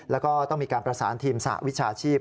แล้วก็ต้องมีการประสานทีมสหวิชาชีพ